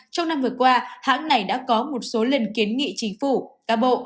trong năm vừa qua hãng này đã có một số lần kiến nghị chính phủ các bộ